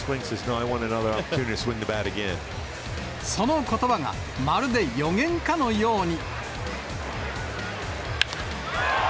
そのことばがまるで予言かのように。